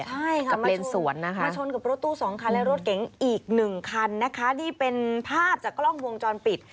ใช่ค่ะมาชนกับรถตู้๒คันและรถเก๋งอีก๑คันนะคะที่เป็นภาพจากกล้องวงจรปิด